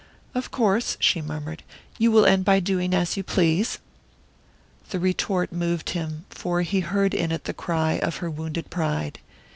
"Of course," she murmured, "you will end by doing as you please." The retort moved him, for he heard in it the cry of her wounded pride.